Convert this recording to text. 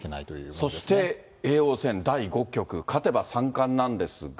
そして、叡王戦第５局、勝てば三冠なんですが。